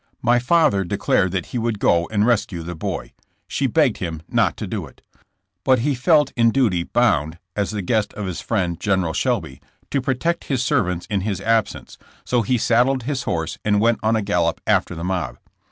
My father declared that he would go and rescue the boy. She begged him not to do it. But he felt in duty bound, as the guest of his friend Gen eral Shelby, to protect his servants in his absence, so he saddled his horse and went on a gallop after the mob.